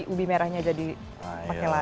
ubi merahnya jadi pakai lagu